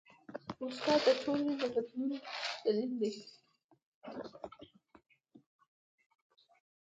استاد د ټولنې د بدلون دلیل دی.